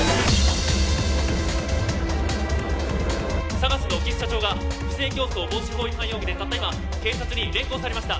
ＳＡＧＡＳの興津社長が不正競争防止法違反容疑でたった今警察に連行されました